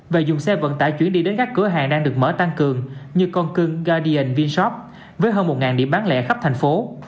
và dùng xe vận tải chuyển đi đến các cửa hàng đang được mở tăng cường như con cưng gadian vinshop với hơn một điểm bán lẻ khắp thành phố